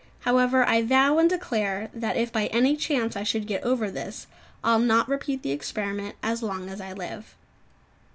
However, I vow and declare that if by any chance I should get over this, I'll not repeat the experiment as long as I live.